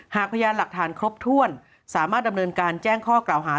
พยานหลักฐานครบถ้วนสามารถดำเนินการแจ้งข้อกล่าวหา